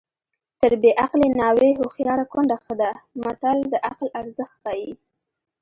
تر بې عقلې ناوې هوښیاره کونډه ښه ده متل د عقل ارزښت ښيي